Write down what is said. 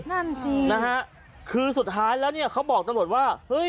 นั่นสินะฮะคือสุดท้ายแล้วเนี่ยเขาบอกตำรวจว่าเฮ้ย